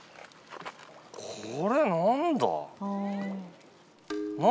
これ何だ？